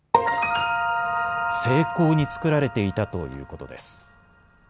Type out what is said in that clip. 精巧に作られていたということです。